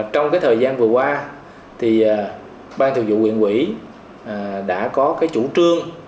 trong cái thời gian vừa qua thì ban thực vụ quyện quỹ đã có cái chủ trương